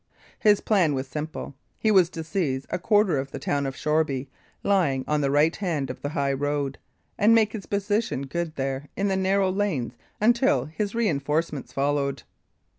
His plan was simple. He was to seize a quarter of the town of Shoreby lying on the right hand of the high road, and make his position good there in the narrow lanes until his reinforcements followed.